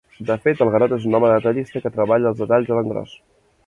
De fet, el Garota és un home detallista que treballa els detalls a l'engròs.